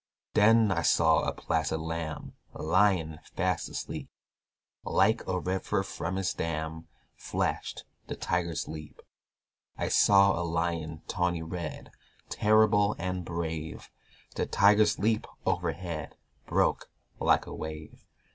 Then I saw a placid Lamb Lying fast asleep; Like a river from its dam Flashed the Tiger's leap. I saw a Lion tawny red, Terrible and brave; The Tiger's leap overhead Broke like a wave.